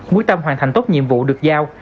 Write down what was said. mũi tâm hoàn thành tốt nhiệm vụ được giao